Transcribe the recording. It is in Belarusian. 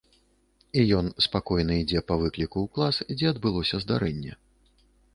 І ён спакойна ідзе па выкліку ў клас, дзе адбылося здарэнне.